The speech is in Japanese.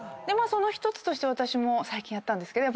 その１つとして私も最近やったんですけど。